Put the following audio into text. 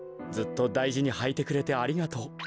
ずっとだいじにはいてくれてありがとう。